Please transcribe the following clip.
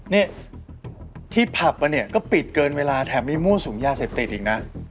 นี่ที่ผับอ่ะเนี่ยก็ปิดเกินเวลาแถมในมู้สุมยาเสพติดอีกนะ